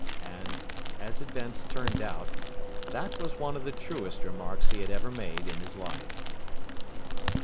And, as events turned out, that was one of the truest remarks he had ever made in his life.